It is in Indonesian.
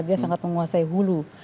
dia sangat menguasai hulu